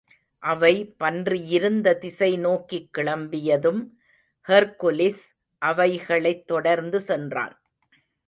அவை பன்றியிருந்த திசை நோக்கிக் கிளம்பியதும், ஹெர்க்குலிஸ் அவைகளைத் தொடர்ந்து சென்றான்.